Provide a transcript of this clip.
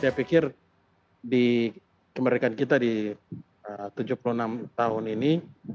saya pikir di kemerdekaan kita di tujuh puluh enam tahun ini